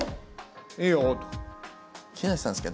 「いいよ」。